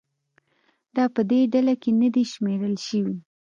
دا په دې ډله کې نه دي شمېرل شوي